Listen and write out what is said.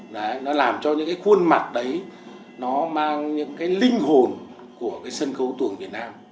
nó làm cho những khuôn mặt đấy nó mang những linh hồn của sân khấu tuồng việt nam